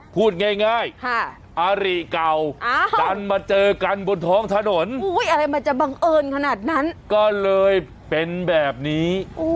พูดง่ายอาริเก่าดันมาเจอกันบนท้องถนนอะไรมันจะบังเอิญขนาดนั้นก็เลยเป็นแบบนี้